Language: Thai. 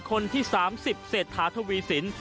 คนที่สามสิบเศรษฐาทวีสิน